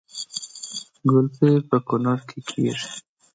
ګلپي په کونړ کې کیږي